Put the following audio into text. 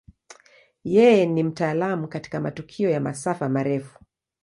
Yeye ni mtaalamu katika matukio ya masafa marefu.